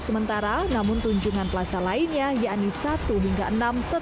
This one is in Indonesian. sekitar ya saya sudah otw sih pulang ke kantor